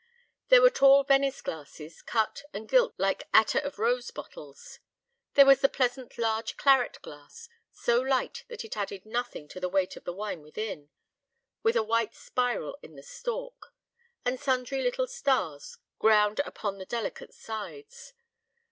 There were tall Venice glasses, cut and gilt like attar of rose bottles. There was the pleasant large claret glass, so light that it added nothing to the weight of the wine within, with a white spiral in the stalk, and sundry little stars ground upon the delicate sides.